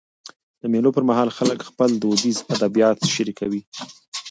د مېلو پر مهال خلک خپل دودیز ادبیات شريکوي.